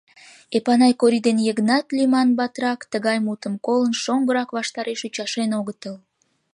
Эпанай Кори ден Йыгнат лӱман батрак, тыгай мутым колын, шоҥгырак ваштареш ӱчашен огытыл.